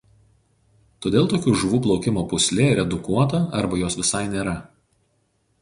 Todėl tokių žuvų plaukimo pūslė redukuota arba jos visai nėra.